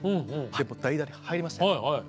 はい代打で入りました。